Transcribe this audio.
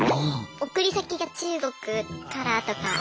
送り先が中国からとか。